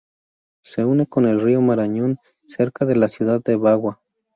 Se une con el río Marañón cerca de la ciudad de Bagua.